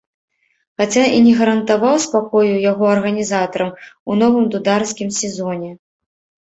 Хаця і не гарантаваў спакою яго арганізатарам у новым дударскім сезоне.